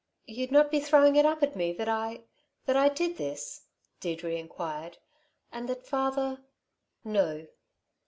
"You'd not be throwing it up at me that I ... that I did this?" Deirdre inquired. "And that father " "No."